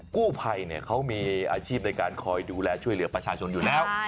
กู้ภัยเขามีอาชีพในการคอยดูแลช่วยเหลือประชาชนอยู่แล้ว